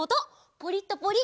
ポリッとポリ！